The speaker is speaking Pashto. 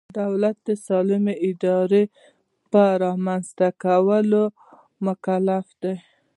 دولت د سالمې ادارې په رامنځته کولو مکلف دی.